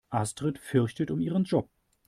Astrid fürchtet um ihren Job.